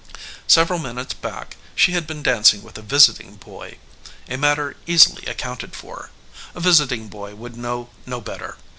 Several minutes back she had been dancing with a visiting boy, a matter easily accounted for; a visiting boy would know no better.